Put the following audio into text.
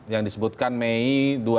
yang disebutkan mei dua ribu enam belas